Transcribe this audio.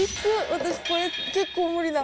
私これ、結構無理だ。